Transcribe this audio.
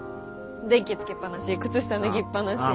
電気つけっぱなし靴下脱ぎっぱなし。